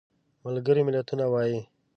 ملګري ملتونه وایي.